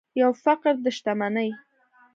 پر فقر د شتمنۍ